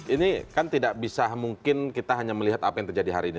ini kan tidak bisa mungkin kita hanya melihat apa yang terjadi hari ini